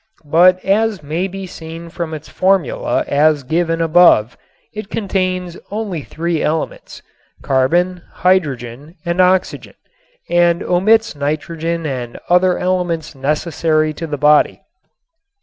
But as may be seen from its formula as given above it contains only three elements, carbon, hydrogen and oxygen, and omits nitrogen and other elements necessary to the body.